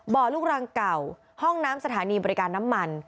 ลูกรังเก่าห้องน้ำสถานีบริการน้ำมัน